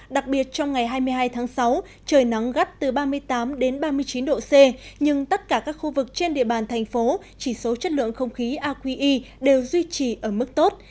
đặc biệt trong ngày hai mươi hai tháng sáu trời nắng gắt từ ba mươi tám đến ba mươi chín độ c nhưng tất cả các khu vực trên địa bàn thành phố chỉ số chất lượng không khí aqi đều duy trì ở mức tốt